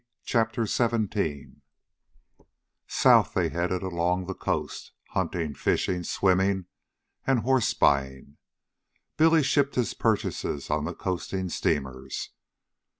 CHAPTER XVII South they held along the coast, hunting, fishing, swimming, and horse buying. Billy shipped his purchases on the coasting steamers.